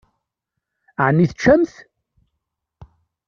Ɛni teččamt?